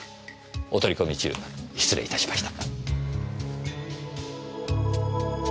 お取り込み中失礼いたしました。